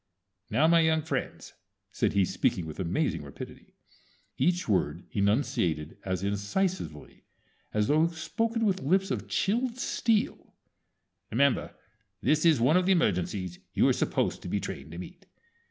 "Now, my young friends," said he, speaking with amazing rapidity, each word enunciated as incisively as though spoken with lips of chilled steel, "remember this is one of the emergencies you are supposed to be trained to meet.